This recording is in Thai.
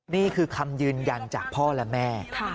นี่คือคำยืนยันจากพ่อและแม่